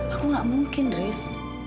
aku gak mungkin riz